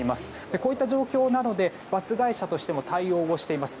こういった状況なのでバス会社としても対応をしています。